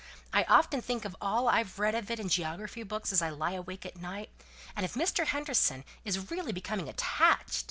I often think of all I've read of it in geography books, as I lie awake at night, and if Mr. Henderson is really becoming attached!